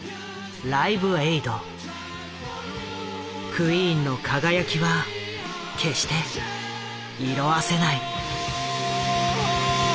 クイーンの輝きは決して色あせない。